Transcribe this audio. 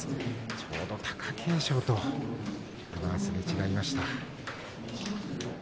ちょうど貴景勝とすれ違いました。